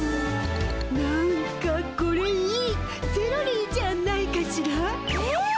「何かこれいいセロリじゃないかしら？」えっ？